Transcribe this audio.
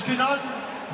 hadir dicari masih